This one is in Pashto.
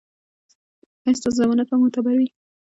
ایا ستاسو ضمانت به معتبر وي؟